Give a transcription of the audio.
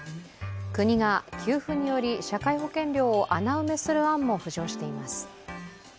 国が給付により社会保険料を穴埋めする案も浮上しています。